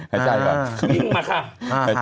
หยิ้มงงงมาค่ะ